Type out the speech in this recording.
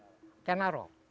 maka dia ditabiskan sebagai raja